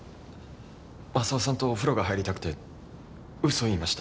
マサオさんとお風呂が入りたくて嘘言いました。